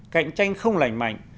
cạnh tranh không lành mạnh